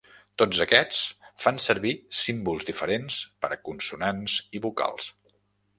Tots aquests fan servir símbols diferents per a consonants i vocals.